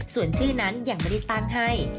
ส่วนชื่อนั้นยังไม่ได้ตั้งให้